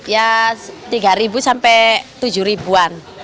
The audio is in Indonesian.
ya rp tiga sampai rp tujuh an